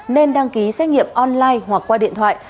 nên đăng ký xét nghiệm online hoặc qua điện thoại